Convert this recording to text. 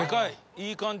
いい感じ。